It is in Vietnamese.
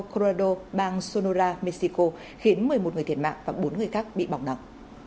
korodo bang sonora mexico khiến một mươi một người thiệt mạng và bốn người khác bị bỏng nặng